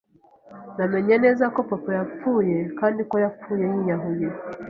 namenye neza ko Papa yapfuye kandi ko yapfuye yiyahuye.